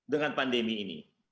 dengan pandemi ini